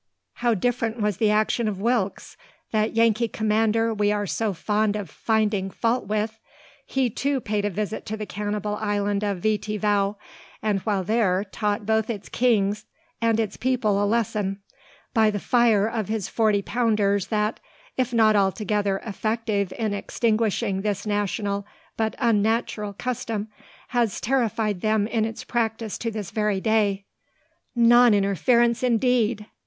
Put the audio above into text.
How different was the action of Wilkes, that Yankee commander we are so fond of finding fault with! He, too, paid a visit to the cannibal island of Viti Vau; and while there, taught both its king and its people a lesson by the fire of his forty pounders that, if not altogether effective in extinguishing this national but unnatural custom, has terrified them in its practice to this very day. Non interference, indeed!